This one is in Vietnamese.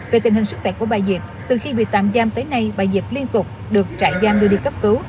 về tình hình sức khỏe của bà diệp từ khi bị tạm giam tới nay bà diệp liên tục được trại giam đưa đi cấp cứu